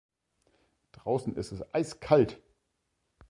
Draußen ist es eiskalt!